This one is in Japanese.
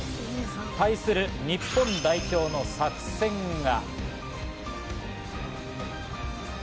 対する日本代表の作戦が。